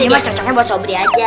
ini mah cocoknya buat sobri aja